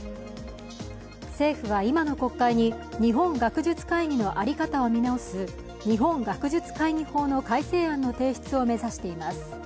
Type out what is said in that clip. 政府は今の国会に日本学術会議のあり方を見直す日本学術会議法の改正案の提出を目指しています。